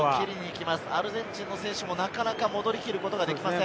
アルゼンチンの選手もなかなか戻りきることができません。